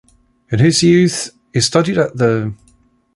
In his youth, he studied at the…